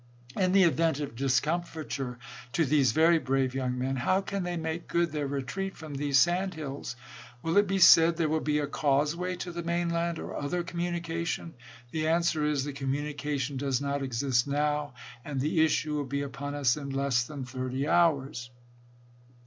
In the event of discomfiture to these brave young men, how can they make good their retreat from these sand hills? Will it be said, There will be a causeway to the mainland, or other communication ? The answer is : The communication does not exist now, and the issue will be upon us in less than thirty hours.